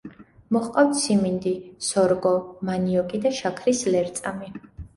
მოჰყავთ სიმინდი, სორგო, მანიოკი და შაქრის ლერწამი.